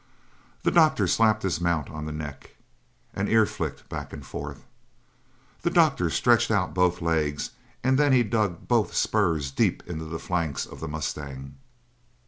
The doctor slapped his mount on the neck. An ear flicked back and forth. The doctor stretched out both legs, and then he dug both spurs deep into the flanks of the mustang.